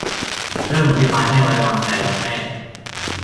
- เริ่ม อภิปรายไม่ไว้วางใจ วันแรก